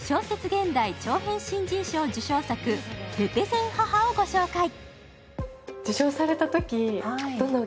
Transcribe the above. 現代長編新人賞受賞作、「レペゼン母」をご紹介。